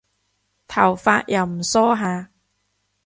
頭髮又唔梳下